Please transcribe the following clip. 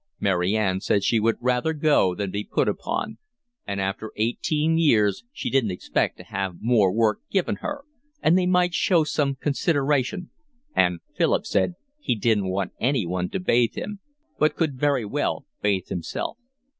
Mary Ann said she would rather go than be put upon—and after eighteen years she didn't expect to have more work given her, and they might show some consideration—and Philip said he didn't want anyone to bath him, but could very well bath himself.